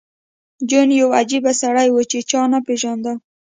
جون یو عجیب سړی و چې چا نه پېژانده